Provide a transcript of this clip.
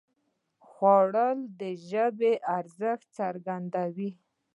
خوړل د ژبې ارزښت څرګندوي